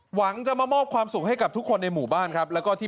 หวังจะมามอบความสุขให้กับทุกคนในหมู่บ้านครับแล้วก็ที่